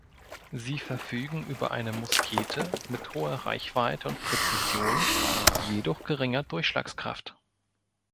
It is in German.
Sie verfügen über eine Muskete mit hoher Reichweite und Präzision, jedoch geringer Durchschlagskraft.